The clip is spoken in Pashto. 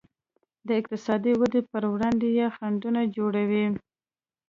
د اقتصادي ودې پر وړاندې یې خنډونه جوړوي.